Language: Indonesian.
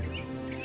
aku tahu suku